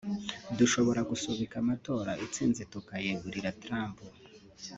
dushobora gusubika amatora intsinzi tukayegurira Trump